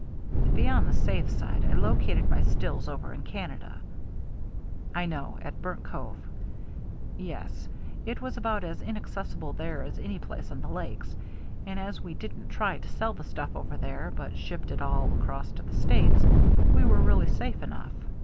" To be on the safe side, I located my stills over in Canada." " I know, — at Burnt Cove." " Yes ; it was about as inaccessible there as any place on the Lakes. And as we didn't try to sell the stuff over there, but shipped it all across to the States, we were really safe enough.